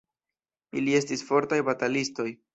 Ili estis fortaj batalistoj.